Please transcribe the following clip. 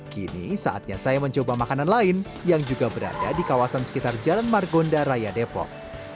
kini saatnya saya mencoba makanan lain yang juga berada di kawasan sekitar jalan margonda raya depok